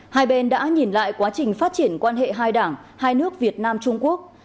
hai bên đã nhìn lại quá trình phát triển quan hệ hai đảng hai nước việt nam trung quốc